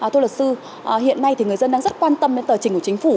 thưa luật sư hiện nay thì người dân đang rất quan tâm đến tờ trình của chính phủ